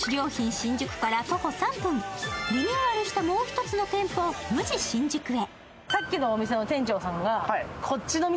新宿から徒歩３分、リニューアルしたもう１つの店舗、ＭＵＪＩ新宿へ。